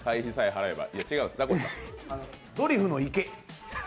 ドリフの池。